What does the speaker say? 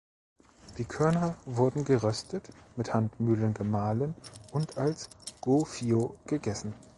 Die Körner wurden geröstet, mit Handmühlen gemahlen und als Gofio gegessen.